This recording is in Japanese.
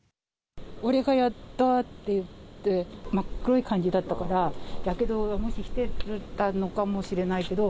俺がやったって言って、真っ黒い感じだったから、やけどしてたのかもしれないけど。